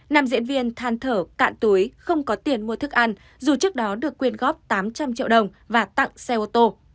nam diễn viên than thở cạn tưới không có tiền mua thức ăn dù trước đó được quyên góp tám trăm linh triệu đồng và tặng xe ô tô